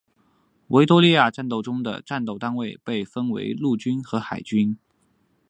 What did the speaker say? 维多利亚中的战斗单位被分为陆军和海军。